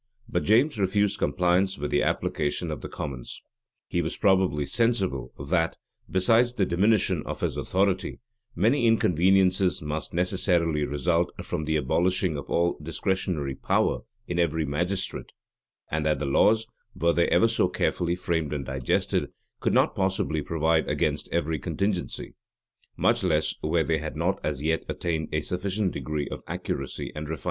But James refused compliance with the application of the commons. He was probably sensible that, besides the diminution of his authority, many inconveniencies must necessarily result from the abolishing of all discretionary power in every magistrate; and that the laws, were they ever so carefully framed and digested, could not possibly provide against every contingency; much less, where they had not as yet attained a sufficient degree of accuracy and refinement.